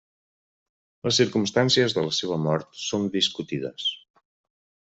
Les circumstàncies de la seva mort són discutides.